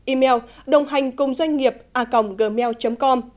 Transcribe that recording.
email đồnghanhcungdoanhnghiệp a gmail com